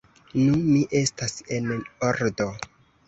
Nu, mi estas en ordo!